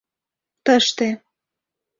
Тыште...